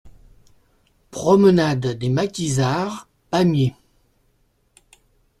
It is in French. Promenade des Maquisards, Pamiers